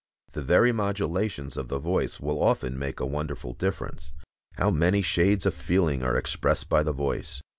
The very modulations of the voice will often make a wonderful difference. How many shades of feeling are expressed by the voice!